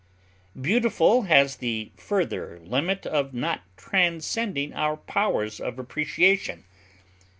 Beautiful has the further limit of not transcending our powers of appreciation.